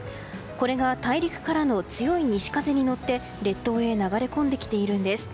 これが大陸からの強い西風に乗って列島へ流れ込んできているんです。